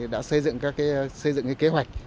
đã xây dựng cái kế hoạch